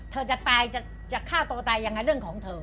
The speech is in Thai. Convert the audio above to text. เธอจะตายจะฆ่าตัวตายยังไงเรื่องของเธอ